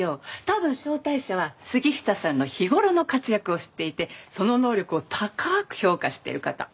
多分招待者は杉下さんの日頃の活躍を知っていてその能力を高く評価してる方。